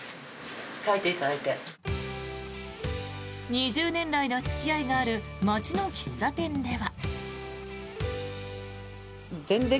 ２０年来の付き合いがある町の喫茶店では。